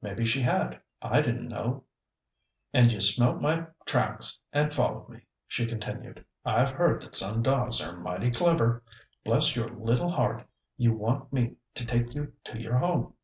Maybe she had. I didn't know. "And you smelt my tracks and followed me," she continued. "I've heard that some dogs are mighty clever. Bless your little heart. You want me to take you to your home.